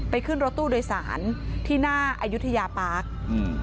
ขึ้นรถตู้โดยสารที่หน้าอายุทยาปาร์คอืม